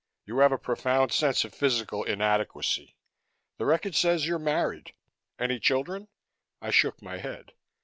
You have a profound sense of physical inadequacy. The record says you're married. Any children?" I shook my head.